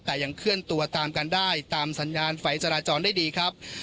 แต่ยังเคลื่อนตัวตามกันได้ตามสัญญาณไฟจราจรได้ดีครับ